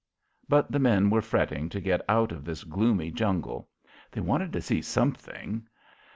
But the men were fretting to get out of this gloomy jungle. They wanted to see something.